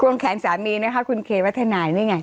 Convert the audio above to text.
วงแขนสามีนะคะคุณเควัฒนายนี่ไง